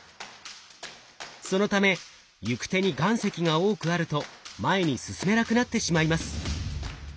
そのため行く手に岩石が多くあると前に進めなくなってしまいます。